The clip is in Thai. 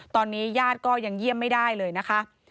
ตอนนี้ญาติก็ยังเยี่ยมไม่ได้เลยนะคะ